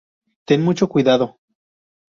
Ten mucho cuidado.